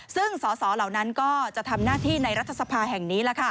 ซึ่งสสเหล่านั้นก็จะทำหน้าที่ในรัฐสภาแห่งนี้